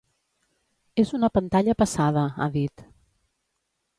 És una pantalla passada, ha dit.